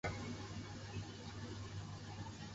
王寻被王莽封为丕进侯。